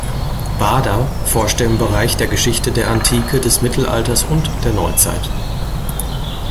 Baader forschte im Bereich der Geschichte der Antike, des Mittelalters und der Neuzeit.